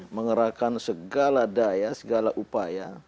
mengerahkan segala daya segala upaya